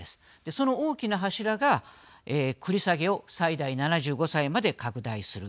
その大きな柱が繰り下げを最大７５歳まで拡大する。